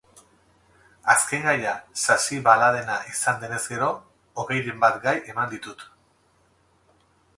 Azken gaia sasibaladena izan denez gero, hogeiren bat gai eman ditut.